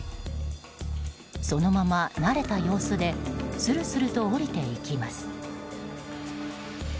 そのまま慣れた様子でするすると下りていきます。